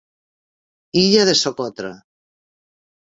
Illa de Socotra.